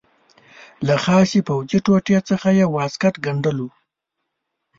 له خاصې پوځي ټوټې څخه یې واسکټ ګنډلو.